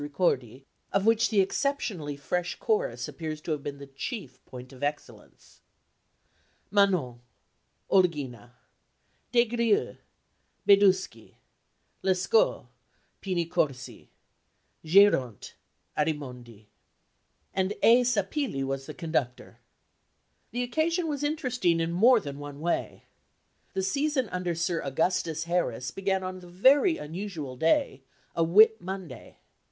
Ricordi, of which the exceptionally fresh chorus appears to have been the chief point of excellence: Manon OLGHINA. Des Grieux BEDUSCHI. Lescaut PINI CORSI. Geronte ARIMONDI. and A. Seppilli was the conductor. The occasion was interesting in more than one way. The season under Sir Augustus Harris began on the very unusual day a Whit Monday.